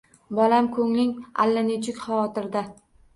Bolam ko‘nglim allanechuk xavotirda